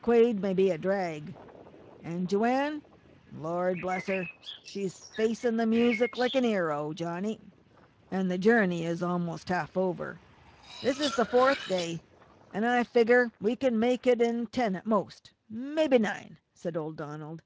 Quade may be a drag. An' Joanne, Lord bless her! she's facing the music like an' 'ero, Johnny!" "And the journey is almost half over." "This is the fourth day. I figger we can make it in ten at most, mebby nine," said old Donald.